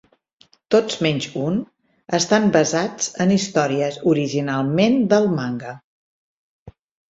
Tots menys un estan basats en històries originalment del manga.